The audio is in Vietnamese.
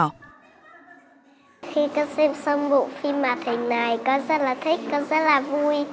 khi con xem xong bộ phim hoạt hình này con rất là thích con rất là vui